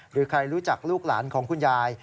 หรือใครรู้จักลูกหลานของคุณยาย